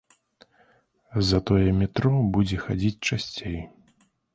Затое метро будзе хадзіць часцей.